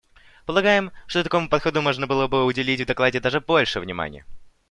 Полагаем, что такому подходу можно было бы уделить в докладе даже больше внимания.